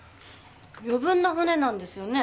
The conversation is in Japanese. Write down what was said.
余分な骨なんですよね？